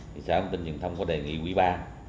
sở thông tin truyền thông có đề nghị quý ba